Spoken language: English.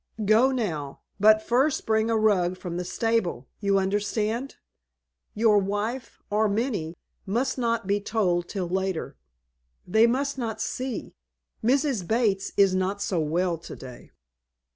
Go now. But first bring a rug from the stable. You understand? Your wife, or Minnie, must not be told till later. They must not see. Mrs. Bates is not so well to day."